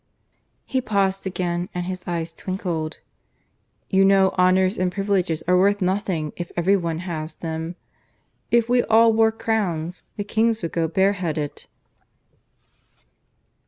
He paused again, and his eyes twinkled. "You know honours and privileges are worth nothing if every one has them. If we all wore crowns, the kings would go bareheaded."